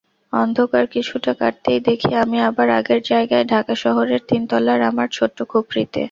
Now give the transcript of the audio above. অন্ধকার কিছুটা কাটতেই দেখি আমি আবার আগের জায়গায় ঢাকা শহরের তিনতলার আমার ছোট্ট খুপরিতে।